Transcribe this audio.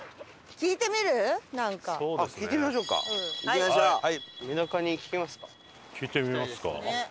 聞いてみますか。